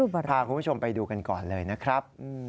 พาคุณผู้ชมไปดูกันก่อนเลยนะครับ